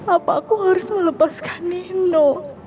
apa aku harus melepaskan nino